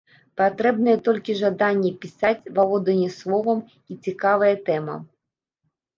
Патрэбныя толькі жаданне пісаць, валоданне словам і цікавая тэма.